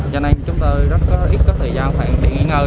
cho nên chúng tôi rất ít có thời gian hoàn thiện nghỉ ngơi